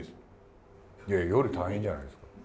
夜、大変じゃないですか。